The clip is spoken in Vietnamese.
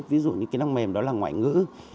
ví dụ như kỹ năng mềm đó là ngoại ngữ